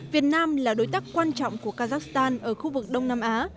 việt nam là đối tác quan trọng của kazakhstan ở khu vực đông nam á